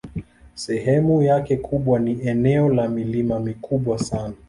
Sehemu yake kubwa ni eneo la milima mikubwa sana.